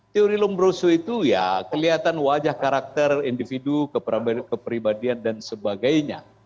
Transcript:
teori lombroso itu ya kelihatan wajah karakter individu kepribadian dan sebagainya